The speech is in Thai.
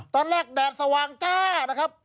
ตอนแรกแดดสว่างจ้านะครับ